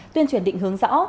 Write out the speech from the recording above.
tuyên truyền định hướng rõ